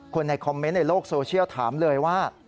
คนในคอมเมนต์ในโลกโซเชียลถามเลยว่า